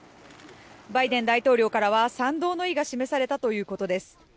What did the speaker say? バイデン大統領からは賛同の意が示されたということです。